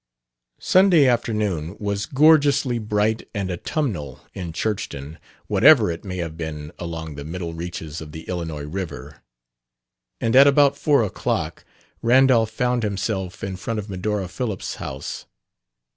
Sunday afternoon was gorgeously bright and autumnal in Churchton, whatever it may have been along the middle reaches of the Illinois river; and at about four o'clock Randolph found himself in front of Medora Phillips' house.